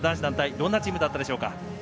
どんなチームだったでしょうか。